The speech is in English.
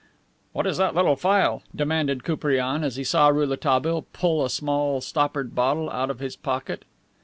"What is that little phial?" demanded Koupriane, as he saw Rouletabille pull a small, stoppered bottle out of his pocket.